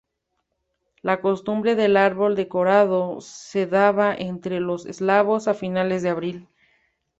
La costumbre del árbol decorado se daba entre los eslavos a finales de abril.